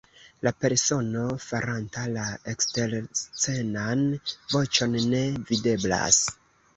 La persono faranta la eksterscenan voĉon ne videblas.